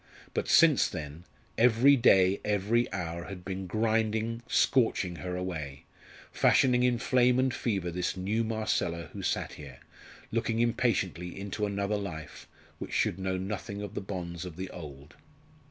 But since then every day, every hour had been grinding, scorching her away fashioning in flame and fever this new Marcella who sat here, looking impatiently into another life, which should know nothing of the bonds of the old.